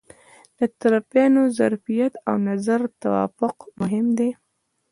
د طرفینو ظرفیت او د نظر توافق مهم دي.